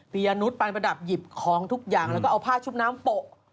ยานุษย์ไปประดับหยิบของทุกอย่างแล้วก็เอาผ้าชุบน้ำโปะ